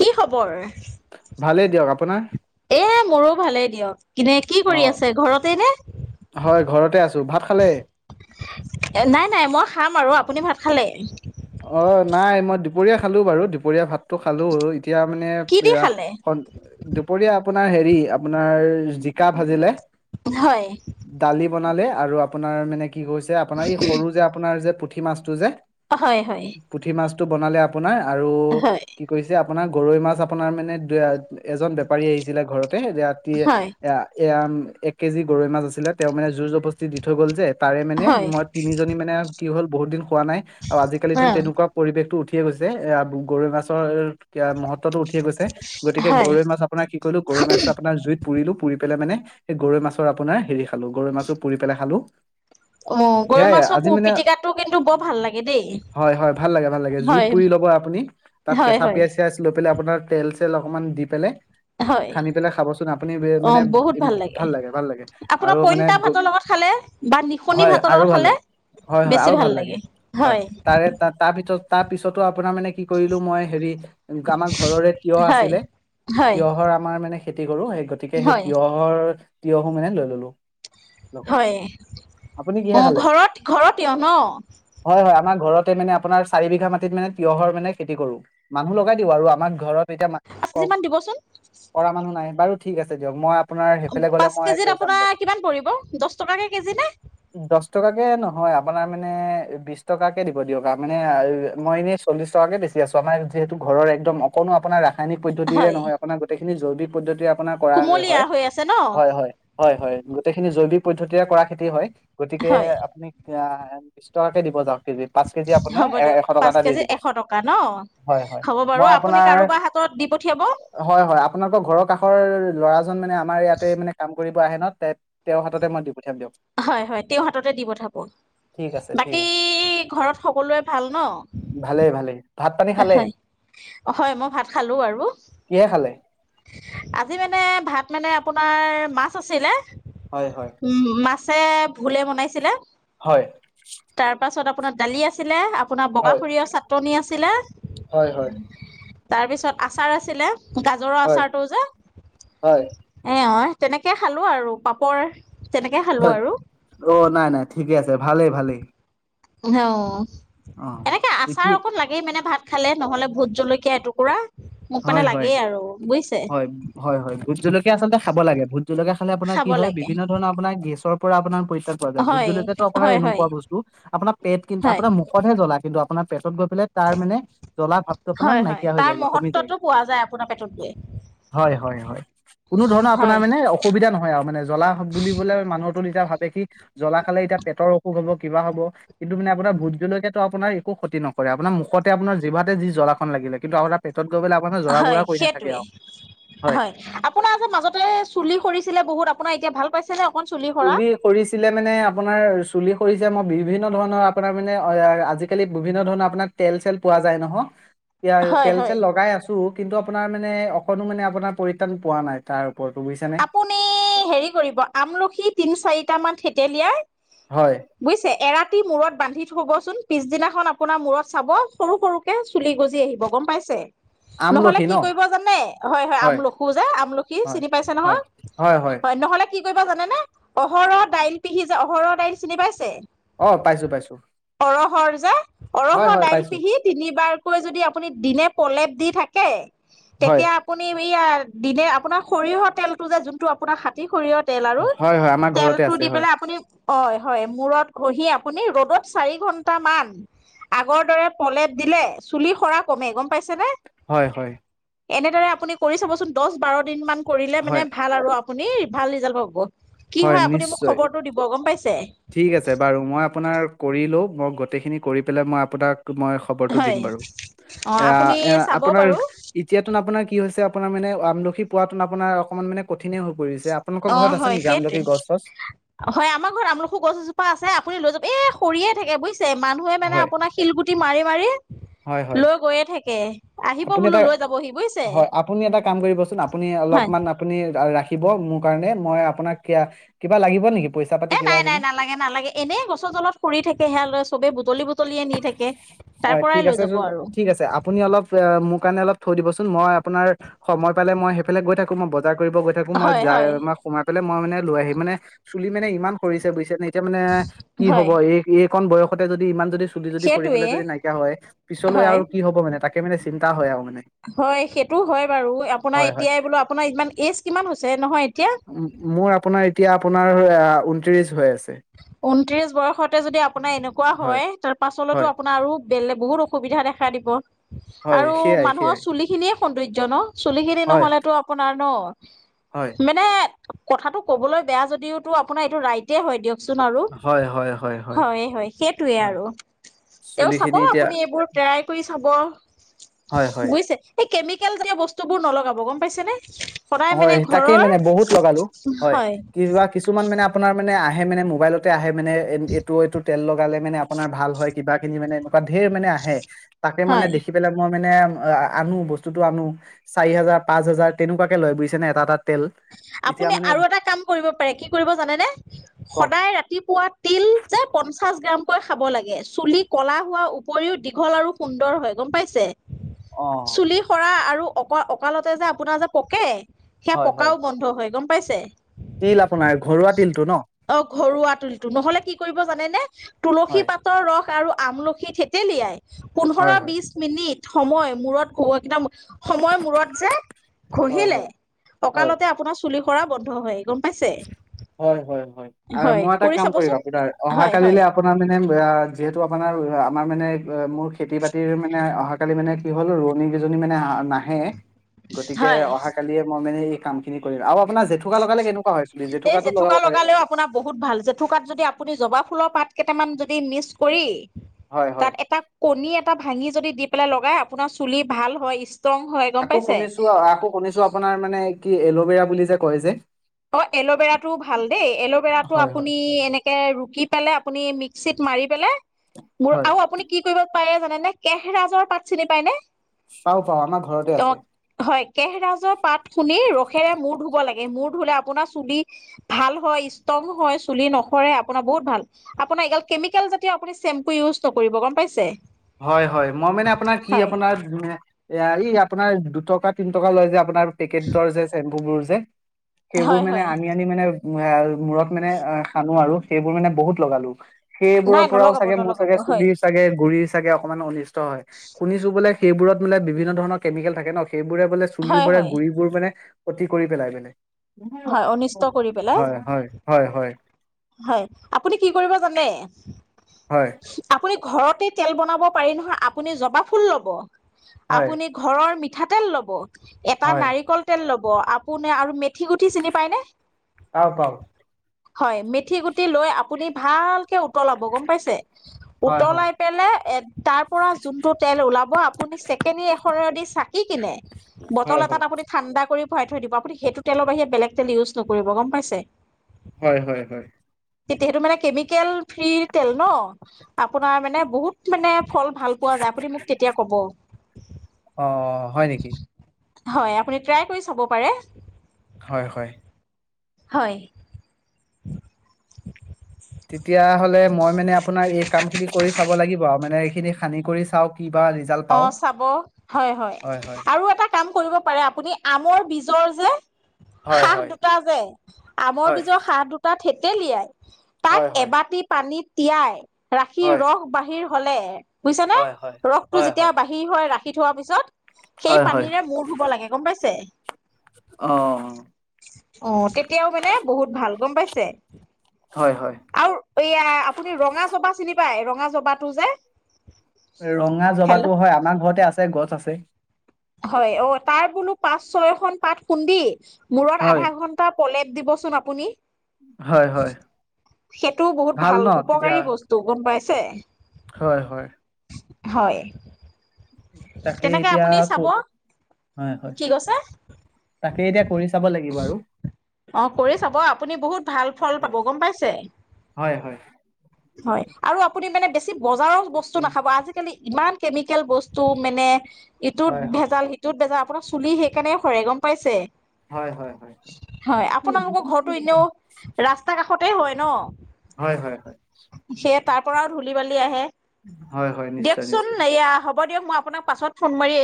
কি খবৰ ভালেই দিয়ক আপোনাৰ এ মোৰো ভালেই দিয়ক কিনে কি কৰি অ' আছে ঘৰতে নে হয় ঘৰতে আছো ভাত খালে নাই নাই মই, খাম আৰু আপুনি ভাত খালে। অ' নাই মই দুপৰীয়া খালো বাৰু দুপৰীয়া ভাতটো খালো। এতিয়া মানে, কি দি খালে? আপাৰ হেৰি আপোনাৰ জিকা ভাজিলে, হয়। দালি বনালে আৰু আপোনাৰ মানে, কি কৈছে আপোনাৰ এই সৰু যে আপোনাৰ যে, পুঠি মাছটো যে হয় হয় টো বনালে আপোনাৰ আৰু হয় কি কৈছে? আপোনাৰ গৰৈ মাছ আপোনাৰ মানে দু এজন বেপাৰী আহিছিলে ঘৰত ৰাতি এ হয় এ এক কেজি গৰৈ মাছ আছিলে তেওঁ মানে যুইজ অ বস্তি দি থৈ গ'ল যে, তাৰে মানে হয় মই তিনিজনী মানে কি হ'ল বহুত দিন খোৱা নাই। আৰু আজিকালি অ যেোন তেনেকুৱা পৰিৱেশতো উঠি, ঠি এ গৈছে এ গৰৈ মাছৰ ক মহত্বতটো উঠিয় গৈছে গতিকে হয় গৰৈ মাছ আপোনাৰ কি কৰিলো গৰৈ মাছ আপোনাৰ জইত পুৰিলো পুৰি পেলাই মানে গৰৈ মাছৰ আপোনাৰ হেৰি খালো গৰৈ মাছো পুৰি পেলাই খালো। অ গৰৈ সেয়াই মাছৰ আজি পুৰ মানে পিটিকাতটো কিন্তু বৰ ভাল লাগে দেই হয় হয় ভাল লাগে ভাল লাগে জুইত হয় পুৰি ল'ব আপুনি তাত হয় কেঁচা হয় পিয়াজ দিছিল। প আপোনাৰ তেল চেল অকমান দি পেলাই হয় খানি পেলাই খাবচোন আপুনি বে- অ মানে বহুত ভাল লাগে ভাল লাগে আপোনাৰ আৰু মানে পইতা গ- ভাতৰ লগত খালে বা নিশনি হয় ভাতৰ আৰু লগত ভাল খালে লাগে বেছি ভাল লাগে হয়। তাৰপিছত তাৰ পিছতো, আপোনাৰ মানে কি কৰিলো মই হেৰি আমাৰ ঘৰৰে তিঁয়হ হয় আছিলে হয় তিয়হৰ আমাৰ মানে, খেতি কৰো সেই গতিকে সেই হয় তিয়হৰ তিয়হো মানে লৈ ললো। লগত হয়, আপুনি কিহে অঁ খালে ঘৰত ঘৰৰ তিয়হ ন। হয় হয় আমাৰ ঘৰতে মানে আপোনাৰ চাৰি বিঘা মাটিত মানে তিয়হৰ মানে খেতি কৰো, মানুহ লগাই দিওঁ আৰু আমাক ঘৰত এতিয়া পাঁচ কেজি কওক মান দিবচোন কৰা় মানুহ নাই বাৰু ঠিক আছে দিয়ক মই আপোনাৰ সেইফালে গ'লে পাঁচ মই কেজিত লৈ যাম আপোনাৰ লগত কিমান পৰিব। দহ টকাকে কেজি নে? দহ টকাকে নহয় আপোনাৰ মানে বিশ টকা। দিব দিয়ক আৰু মানে মই এনে চল্লিশ টকাকে বেছি আছো আমাৰ যিহেতু ঘৰৰ একদম অকণো আপোনাৰ ৰা ৰাসায়নিক পদ্ধতিৰে হয় নহয় আপোনাৰ গোটেই এই জৈৱিক পদ্ধতি কুমলীয়া হৈ আছে ন। হয় হয় গোটেইখিনি জৈৱিক পদ্ধতিৰে কৰা খেতি হয়। গতিকে হয় আপুনি আ' বিশ টকাকে দিব যাওক। কেজি। পাচ কেজি আপোনাৰ হ'ব এ দিয়ক এশ টকা পাঁচ এটা দি কেজি দিব। এশ টকা ন হয়, হয়, হ'ব বাৰু মই আপুনি আপোনাৰ কাৰোবাৰ হাতত দি পঠিয়াব হয় হয় আপোনালোকৰ ঘৰৰ কাষৰ [unintelligible] মানে আমাৰ ইয়াতে মানে কাম কৰি আহে ন তেওঁৰ হাততে মই দি পঠিয়াম দিয়ক। হয় হয় তেওঁৰ হাততে দি পথাব। ঠিক আছে ঠিক বাকী আছে ঘৰত সকলোৱে ভাল ন। ভালেই ভালেই ভাত পানী খালে হয় হয় মই ভাত খালো আৰু, কিহে খালে আজি মানে ভাত মানে আপোনাৰ মাছ আছিলে। হয় হয় উম মাছে ভুলে বনাইছিলে। হয়। তাৰ পাছত আপোনাৰ, দালি আছিলে। আপোনাৰ বগা হয় সৰীয়হৰ চাটনি আছিলে। হয় হয়। তাৰ পিছত আচাৰ আছিলে। গাজৰৰ হয় আচাৰটো যে, হয় এ অ' তেনেকৈ খালোঁ আৰু পাপৰ। তেনেকে খালো হয়, আৰু অ' নাই নাই ঠিকে আছে। ভালেই ভালেই। অ। অ এনেকে আচাৰ এতিয়া অকণ লাগেই মানে ভাত খালে নহলে ভোত জলকীয়া অতু। পুৰা। হয় হয় হয় হয় হয় ভোতজলকীয়া আচলতে খাব লাগে ভোট জলকীয়া খালে আপোনাৰ খাব কি হয় লাগে বিভিন্ন ধৰণৰ আপোনাৰ গেছৰ। পৰা আপোনাৰ পৰি। পোৱা যায় ভূত হয় জলকীয়াটো আপোনাৰ হয় হয় এনেকুৱ বস্তু আপোনাৰ পেট কিন্তু হয় আপোনাৰ মুখতহে জ্বলায়। কিন্তু আপোনাৰ পেটত গৈ। [unintelligible] তাৰ মানে জ্বলা ভাৱটো আপোনাৰ হয় হয় নাইকিয়া হৈ তাৰ যায় গৈ কমি যায় গৈ। মহত্বটো পোৱা যায় আপোনাৰ পেটত গৈ হয় হয় হয় কোনো ধৰণৰ হয় আপোনাৰ মানে অসুবিধা নহয় আৰু মানে জ্বলা বুলিবলে মানুহ। এতিয়া ভাবে কি জ্বলা খালে এতিয়া পেটৰ অসুখ হ'ব কিবা হ'ব। কিন্ত মানে আপোনাৰ ভূতজলকীয়াত। আপোনাৰ একো ক্ষতি নকৰে আপোনাৰ মুখতে আপোনাৰ জিভাতে যি জলাখন লাগিলে কিন্তু আপোনাৰ পেটত। গৈ পেলাই আপোনাৰ জৰা হয় বুৰা কৰি নাথাকে সেইটোৱে আৰু হয় আপোনাৰ আ মাজতে চুলি সৰিছিলে বহুত আপোনাৰ এতিয়া ভাল। ছেনে। চুলি সৰিছিলে মানে আপোনাৰ। চুলি সৰিছে মই বিভিন্ন ধৰণৰ আপোনাৰ মানে আজিকালি বিভিন্ন ধৰণৰ আপোনাৰ তেল চেল পোৱা যায় নহ। এয়া হয় তেল হয় চেল লগাই আছোঁ। কিন্তু আপোনাৰ মানে অকণো মানে আপোনাৰ পৰিত্ৰাণ পোৱা নাই তাৰ। ওপৰতো বুজিছানে আপুনি হেৰি কৰিব আমলখিত তিনি চাৰিটামান ঠেতেলিয়াই। হয় বুজিছে এৰাতি মূৰত। বান্ধি থব চোন পিছদিনাখন আপোনাৰ মূৰত চাব সৰু সৰুকে চুলি গজি আহিব গম পাইছে। নহলে আমলখি কি ন কৰিব জানে হয় হয় আমলখু যে আমলখি চিনি। নহয় হয় নহ'লে। কি কৰিবা জানে ন অহৰহ দাইল পিহি যায় অহৰহ দাইল চিনি পাইছে। অ পাইছোঁ পাইছোঁ। অহৰৰ যে অৰহ দাইল পিহি তিনিবাৰকৈ যদি। আপুনি দিনে প্ৰলেপ দি থাকে। হয় তেতিয়া আপুনি। এইয়া দিনে আপোনাৰ। সৰিয়হৰ তেলটো যে যোনটো আপোনাৰ খাটি সৰিয়হ। তেল আৰু হয় হয় আমাৰ ঘৰতে তেলটো আছে দি হয় পেলাই আপুনি। অ হয় মূৰত খহি আপুনি ৰ'দত চাৰি ঘন্টামান আগৰ দৰে পলেপ দিলে চুলি সৰা কমে গম পাইছেনে। হয়, হয়। এনেদৰে আপুনি কৰি চাবচোন দছ-বাৰ দিন মান। কৰিলে মানে হয় ভাল আৰু আপুনি ভাল ৰিজাল্ট পাব৷ কি হয় আপুনি মোক খবৰটো দিব গম পাইছে। ঠিক আছে বাৰু, মই আপোনাৰ কৰি লো মই গোটেইখিনি কৰি পেলাই মই আপোনাক মই খবৰটো দিম হয় বাৰু৷ অ আপুনি এয়া-এয়া চাব আপোনাৰ বাৰু এতিয়াতোন আপোনাৰ কি হৈছে আপ আপোনাৰ মানে আমলখি পোৱাটো আপোনাৰ অকণমান মানে কঠিনে হৈ পৰিছে৷ আপোনালোকৰ অ ঘৰত আছে হয় নেকি আমলখি সেইটোৱে৷ গছ চছ হয় আমাৰ ঘৰত আমল খু গছ এজোপা আছে৷ আপুনি লৈ যাব, এই সৰিয়েই থাকে বুজিছে। মানুহে মানে হয় আপোনাৰ শিলগুটি মাৰি মাৰি হয় হয় লৈ গৈয়ে থাকে, আহিব আপুনি এটা বোলো লৈ যাবহি বুজিছে হয় আপুনি এটা কাম কৰিবচোন আপুনি হয়৷ অলপমান আপুনি ৰাখিব, মোৰ কাৰণে মই আপোনাক কিয়া- কিবা লাগিব নেকি। পইচা পাতি এ কিবা নাই খিনি নাই নালাগে নালাগে, এনে গছৰ তলত সৰি থাকে সেয়া লয় চবে বুজ বুটলি [inaudible] থাকে। তাৰ হয় পৰাই ঠিক লৈ আছে যাব যত আৰু ঠিক আছে৷ আপুনি অলপ এ মোক কাৰণে অলপ থৈ দিবচোন, মই আপোনাৰ সময় পালে মই সেইফালে গৈ থাকো মই বজাৰ কৰিব গৈ থাকো, মই হয় যাই হয় মই সোমাই পেলাই মই মানে লৈ আহিম মানে চুলি মানে ইমান সৰিছে বুজিছে নে। এতিয়া মানে কি হ'ব? হয় এ এ এইকণ বয়সতে যদি ইমান যদি- চুলি যদি সৰি সেইটোৱে পেলাই যদি নাইকিয়া হয়, পিছলৈ হয় আৰু কি হব মানে তাকে মানে চিন্তা হয় আৰু মানে৷ হয় সেইটো হয় বাৰু আপোনাৰ হয়-হয়৷ এতিয়াই বোলো আপোনাৰ ইমান এজ কিমান হৈছে নহয় এতিয়া মো-মোৰ আপোনাৰ এতিয়া আপোনাৰ - আপোনাৰ -ঊনত্ৰিশ হৈ আছে৷ ঊনত্ৰিশ বয়সতে যদি আপোনাৰ এনেকুৱা হয়, তাৰ পাছলেতো হয় আপোনাৰ আৰু বেলেগ বহুত অসুবিধা দেখা দিব৷ হয় আৰু সেইয়াই মানুহৰ সেইয়াই চুলি খিনিয়ে- সৌন্দৰ্য্য ন। চুলিখিনি হয় নহলেতো আপোনাৰ ন। হয় মেনে কথাটো কবলৈ বেয়া যদিওটো আপোনাৰ এইটো ৰাইেট হয় দিয়ক চোন আৰু৷ হয় -হয় সেইটোৱে হয় আৰু৷ তেও চাব চুলিখিনি এতিয়া আপুনি এইবোৰ ট্ৰাই কৰি চাব৷ হয় হয় বুজিছে এই কেমিকেল জাতীয় বস্তুবোৰ নলগাব, গম পাইছেনে? সদায় মানে হয় তাকে ঘৰৰ মানে বহুত লগালো। হয় কিবা কিছুমান মানে আপোনাৰ মানে আহে মানে মোবাইলতে আহে। মানে এইটো এইটো তেল ল লগালে মানে আপোনাৰ ভাল হয় কিবাখিনি মানে ম ঢেৰ মানে আহে। তাকে মানে হয় দেখি পেলাই মই মানে আনো বস্তুটো আনো, চাৰি হাজাৰ-পাঁচ হাজাৰ তেনেকুৱাত। লয়, বুইছেনে এটা এটাত। আপুনি আৰু এটা কাম কৰিব পাৰে কি কৰিব জানেনে? কওক সদায় ৰাতিপুৱা তিল যে পঞ্চাশ গ্ৰাম কৈ খাব লাগে চুলি ক'লা হোৱাৰ উপৰিও দীঘল আৰু সুন্দৰ হয়, গম পাইছে? অ চুলি সৰা আৰু অকৱা অকালতে যে আপোনাৰ যে পকে হয় হয় পকাও বন্ধ হয়, গম পাইছে। তিল আপোনাৰ ঘৰুৱা তিলটো ন অ ঘৰুৱা তুলিটো। নহ'লে কি কৰিব জানেনে তুলসী হয় পাতৰ ৰস আৰু আমলখি থেতেলিয়াই হয় হয় পোন্ধৰ-বিশ মিনিট। সময় মূৰত খ কেইটা সময় মূৰত যে হয় ঘঁহিলে হয় হয় ককালতে আপোনাৰ চুলি সৰা বন্ধ হয়। গম পাইছে হয় হয় হয় আৰ হয় মই এটা কৰি কাম কৰিম চাবচোন আপোনা। অহা হয় হয় কালিলে আপোনাৰ মানে যিহেতু আপোনাৰ আমাৰ মানে মোৰ খেতি-বাতিৰ মানে অহাকালি মানে কি হ'ল ৰোৱনী কিজনী মানে নাহে। গতিকে হয় অহা কালিয়ে মই মানে কাম খিনি কৰি। আৰু আপোনাৰ জেঠুকা লগালে কেনেকুৱ হয়? চুলি এই জেঠুকাটো লগাব জেঠুকা পাৰে লগালেও আপোনাৰ বহুত ভাল। জেঠুকাত যদি আপুনি জবা ফুলৰ পাত কেটামান যদি মিছ কৰি হয় হয় তাত এটা কণী এটা ভাঙি যদি দি পেলাই লগাই আপোনাৰ চুলি ভাল হয় ইছ আকৌ শুনিছো আকৌ শুনিছো আপোনাৰ মানে কি এলো বেৰা বুলি যে কয় যে। অ এল'বেৰাটো ভাল দেই এল'বেৰাটো হয় হয় আপুনি এনেকে ৰু দি পেলাই আপুনি মিক্সিত মাৰি পেলাই মোৰ হয় আৰু আপুনি কি কৰিব পায়ে জানে নে? কেহৰাজৰ পাত চিনি পায় নে? পাওঁ পাওঁ আমাৰ ঘৰতে আছে অ' হয়, কেহৰাজৰ পাত খুন্দি ৰসেৰে মূৰ ধুব লাগে। এ মুৰ ধুলে আপোনাৰ চুলি ভাল হয়, ষ্ট্ৰং হয়, চুলি-নখৰে আপোনাৰ বহুত ভাল। আপোনাৰ এইগাল কেমিকেল জাতীয় আপুনি চেম্পু ইউজ নকৰিব, গম পাইছে? হয় - হয়, মই মানে আপোনাৰ কি- হয় আপোনাৰ- এয়া এই আপোনাৰ দুট কা তিন টকা লয় যে আপোনাৰ পেকেটৰ যে চেম্পুবোৰ যে সেইবোৰ হয় মানে হয় আনি আনি মানে উ আৰু মূৰত মানে অ খানো আৰু সেইবোৰ মানে বহুত লগালো। নাই সেইবোৰৰ পৰাও নলগাব চাগে মোৰ নলগাব চাগে হয় চুলি চাগে গুৰিচ মানে অনিষ্ট হয় শুনিছো সেইবোৰত মানে বিভিন্ন ধৰণৰ কেমিকেল থাকে ন সেইবোৰে বোলে চুল হয় বোৰে হয় গুৰিবোৰ মানে অতি কৰি পেলাই মানে। হয় অনিষ্ট কৰি পেলাই হয় হয় হয় হয়। হয় আপুনি কি কৰিব জানে! হয়। আপুনি ঘৰতে তেল বনাব পাৰি নহয় আপুনি জবা ফুল ল'ব! হয় আপুনি ঘৰৰ মি ঠাতেল ল'ব। এটা হয় নাৰিকল তেল ল ব, আপু নে আৰু মেঠি গুটি চিনি পায়নে? পাও হয় মেঠ মেঠি গুটি লৈ আপুনি ভালকে উতলাব গম পাইছে, পাও হয় উতলাই পেলে তাৰ পৰা যোনটো তেল ওলাব আপুনি চেকেনি এখনৰে দি চাকি কিনে বটল হয় হয় হয় এটাত আপুনি ঠাণ্ডা কৰি ভৰাই থৈ দিব, আপুনি সেইটো তেলৰ বাহিৰে বেলেগ তেল ইউজ নকৰিব। গম পাইছে? হয় হয় হয়। তেতিয়া সেইটো মানে কেমিকেল ফ্ৰীৰ তেল ন' আপোনাৰ মানে বহুত মানে ফল ভাল পোৱা যায়, আপুনি মোক তেতিয়া কব। অ হয় নেকি হয়, আপুনি ট্ৰাই কৰি চাব পাৰে। হয় হয়। হয়। তেতিয়া হ'লে মই মানে আপোনাৰ এই কাম খিনি কৰি চাব লাগি ব মানে এইখিনি সানি কৰি চাওক অঁ চাব হয়- হয় আৰু এটা কাম কৰিব পাৰে আপুনি আমৰ বীজৰ যে হয়, সাহ হয়, দুটা যে আমৰ হয়, বীজৰ সাহ দুটা থে তেলিয়াই তাক হয়, হয়, এবাটি পানীত তিয়াই ৰাখি হয়, ৰস বাহিৰ হ'লে বুজিছা নে হয়, হয়, ৰসটো যে হয়, যেতিয়া হয়, বাহিৰ হয় ৰা খি থোৱাৰ পিছত হয়, সেই হয়, পানীৰে মূৰ ধুব লাগে, গম পাইছে। অঁ। অঁ তেতিয়াও মানে বহুত ভাল গম পাইছে। হয়, হয়, আৰু এইয়া আপুনি ৰঙা জবা চিনি পাই, ৰঙা জবাটো যে। ৰঙা হেল্ল' জবাতো হয় আমাৰ ঘৰতে আছে, গছ আছে। হয় অ' তাৰ বোলো পাঁচ ছয়খন পাত খুন্দি মূৰত হয়, আধা ঘণ্টা প্ৰলেপ দিবচোন আপুনি। হয়, হয়, সেইটো বহুত ন ভাল তেতিয়া উপকাৰী বস্তু গম পাইছ [unintelligible] হয়- হয়। হয়। তাকে তেনেকে এতিয়া আপুনি চাব হয়-হয়, কি কৈছে তাকে এতিয়া কৰি চাব লাগিব আৰু। অঁ কৰি চাব আপুনি বহুত ভাল ফল পাব গম পাইছে, হয়, হয়, হয়, আৰু আপুনি মানে বেচ চি বজাৰৰ বস্তু হয়, নাখাব, আজিকালি ইমান কেমিকেল বস্তু মানে ইটোত হয়, হয়, ভেজাল সিটোত ভেজাল আপোনাক চুলি সেইকাৰণে সৰে গম পাইছে হয়, হয়, হয় হয়। আপোনালোকৰ ঘৰতো এনেও ৰাস্তা কাষত। সৈতে হয় ন। হয়, হয়, হয় সেয়ে তাৰ পৰাও ধূলি বালি আহে। হয়, হয়, নিশ্চয়, দিয়কচোন নিশ্চয় এয়া হ'ব দিয়ক মই আপোনাক পছত ফোন মাৰিম।